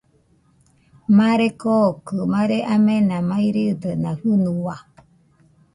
Mare kookɨ mare amena maɨridena fɨnua.